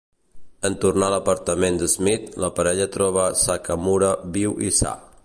En tornar a l'apartament d'Smith, la parella troba Sakamura viu i sa.